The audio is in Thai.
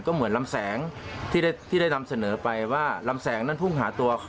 ก็เหมือนลำแสงที่ได้นำเสนอไปว่าลำแสงนั้นพุ่งหาตัว